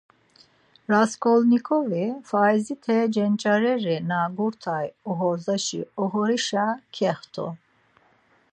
Rasǩolnikovi, faizite cenç̌areri na gurtay oxorzaşi oxorişa kext̆u.